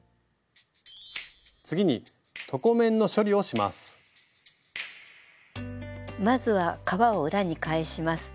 次にまずは革を裏に返します。